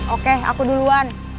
oke aku duluan